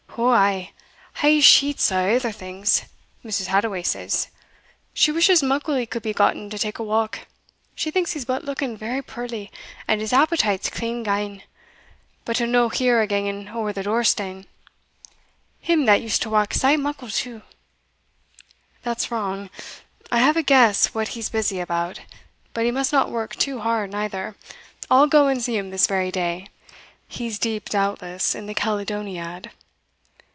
"Ou, ay hale sheets o' other things, Mrs. Hadoway says. She wishes muckle he could be gotten to take a walk; she thinks he's but looking very puirly, and his appetite's clean gane; but he'll no hear o' ganging ower the door stane him that used to walk sae muckle too." "That's wrong I have a guess what he's busy about; but he must not work too hard neither. I'll go and see him this very day he's deep, doubtless, in the Caledoniad."